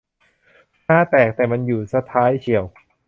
ฮาแตก แต่มันอยู่ซะท้ายเชียว